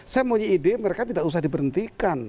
saya punya ide mereka tidak usah diberhentikan